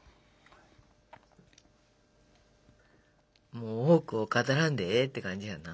もう多くを語らんでええって感じやんな。